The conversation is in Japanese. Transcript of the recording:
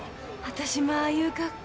私もああいう格好。